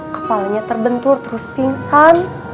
kepalanya terbentur terus pingsan